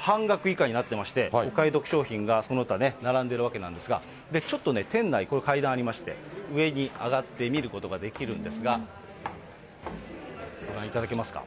半額以下になってまして、お買い得商品がその他、並んでるわけなんですが、ちょっとね、店内、これ、階段ありまして、上に上がって見ることができるんですが、ご覧いただけますか。